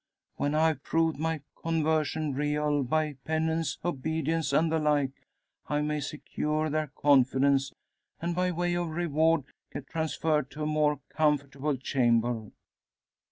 When I've proved my conversion real, by penance, obedience, and the like, I may secure their confidence, and by way of reward, get transferred to a more comfortable chamber.